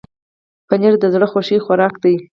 پنېر د زړه خوښي خوراک دی.